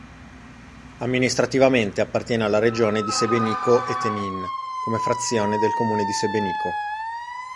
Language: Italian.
Amministrativamente appartiene alla regione di Sebenico e Tenin come frazione del comune di Sebenico.